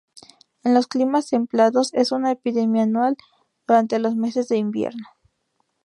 En los climas templados es una epidemia anual durante los meses de invierno.